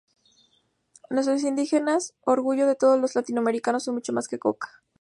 Nuestros indígenas, orgullo de todos los latinoamericanos, son mucho más que coca.